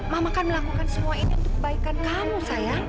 mama kan melakukan semua ini untuk kebaikan kamu sayang